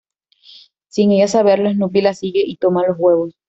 Sin ella saberlo, Snoopy la sigue y toma los huevos.